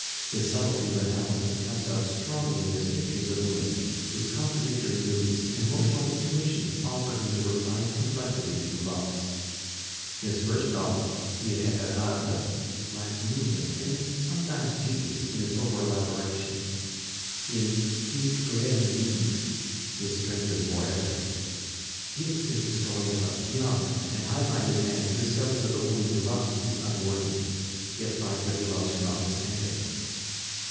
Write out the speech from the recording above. His subtlety of analysis comes out strongly in his pictures of women, whose contradictory moods and emotional intuitions offer him the refined complexities he loves. His first novel, 'L'Irréparable,' lacks movement and is sometimes tedious in its over elaboration. In 'Une Cruelle Énigme' his strength is more evident. It is the story of a young and high minded man who discovers that the woman he loves is unworthy, yet finds that he loves her notwithstanding.